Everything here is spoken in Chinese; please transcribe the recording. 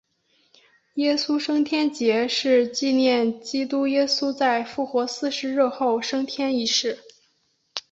耶稣升天节是纪念基督耶稣在复活四十日后升天一事。